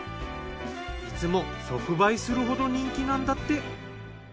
いつも即売するほど人気なんだって。